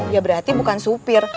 ya berarti bukan supir